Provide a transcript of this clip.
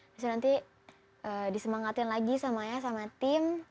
terus nanti disemangatin lagi sama ayah sama tim